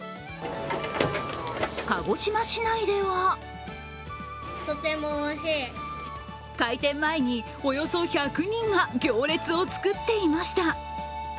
鹿児島市内では開店前におよそ１００人が行列を作っていました。